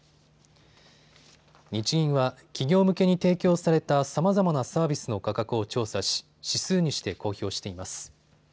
日銀は企業向けに提供されたさまざまなサービスの価格を調査し、指数にして公表しています。